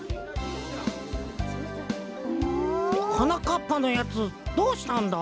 はなかっぱのやつどうしたんだ？